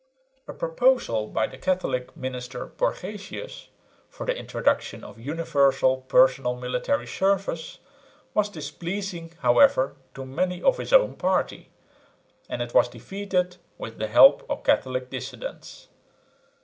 A proposal by the Catholic minister Borgesius for the introduction of universal personal military service was displeasing however to many of his own party, and it was defeated with the help of Catholic dissidents.